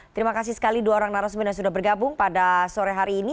terima kasih sekali dua orang narasumber yang sudah bergabung pada sore hari ini